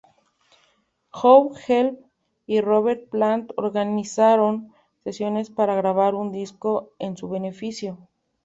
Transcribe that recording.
Howe Gelb y Robert Plant organizaron sesiones para grabar un disco en su beneficio.